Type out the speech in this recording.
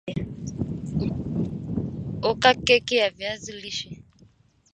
oka keki ya viazi lishe